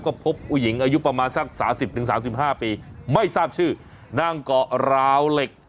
ก็พบผู้หญิงอายุประมาณสัก๓๐๓๕ปีไม่ทราบชื่อนั่งเกาะราวเหล็ก